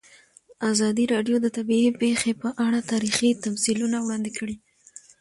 ازادي راډیو د طبیعي پېښې په اړه تاریخي تمثیلونه وړاندې کړي.